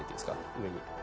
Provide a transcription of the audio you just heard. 上に。